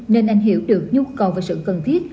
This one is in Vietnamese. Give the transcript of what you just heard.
nên anh hiểu được nhu cầu và sự cần thiết